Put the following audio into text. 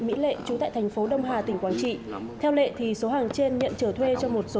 mỹ lệ trú tại thành phố đông hà tỉnh quảng trị theo lệ thì số hàng trên nhận trở thuê cho một số